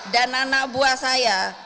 dan anak buah saya